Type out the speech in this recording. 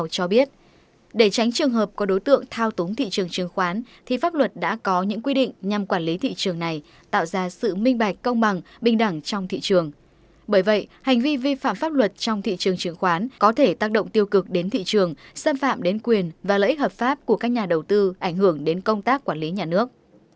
xâm phạm đến quyền và lợi ích hợp pháp của các nhà đầu tư ảnh hưởng đến công tác quản lý nhà nước